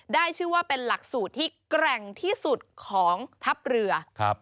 ได้ชื่อว่าเป็นหลักสูตรที่แกร่งที่สุดของทัพเรือ